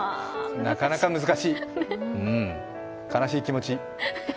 なかなか難しい、悲しい気持ち。